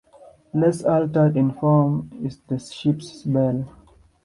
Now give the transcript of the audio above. Less altered in form is the ship's bell.